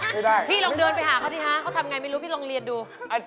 ยังไงเออพี่ลองเดินไปหาเขาสิฮะเขาทำอย่างไรไม่รู้พี่ลองเรียนดู